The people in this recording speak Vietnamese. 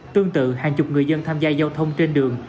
tương tự hàng chục người dân tham gia giao thông trên đường